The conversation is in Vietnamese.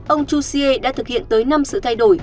ông chu xie đã thực hiện tới năm sự thay đổi